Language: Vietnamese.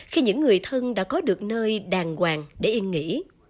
khi những người thân đã có được nơi đàng hoàng để yên nghỉ